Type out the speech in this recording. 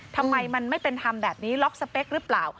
ทำไมมันไม่เป็นธรรมแบบนี้ล็อกสเปคหรือเปล่า